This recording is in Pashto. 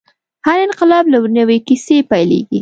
هر انقلاب له نوې کیسې پیلېږي.